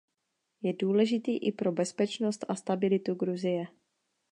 Je důležitý i pro bezpečnost a stabilitu Gruzie.